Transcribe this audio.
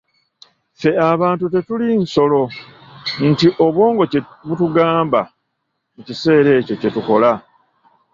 Ffe abantu tetulinga nsolo nti obwongo kye butugamba mu kiseera ekyo kye tukola.